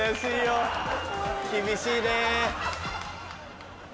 厳しいね。